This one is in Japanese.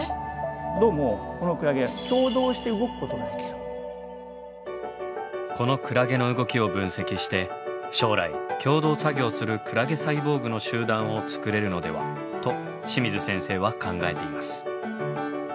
どうもこのクラゲこのクラゲの動きを分析して将来協同作業するクラゲサイボーグの集団を作れるのではと清水先生は考えています。